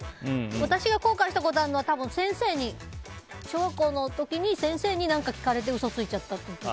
私が後悔したことあるのは小学校の時に先生に聞かれて嘘をついちゃったとか。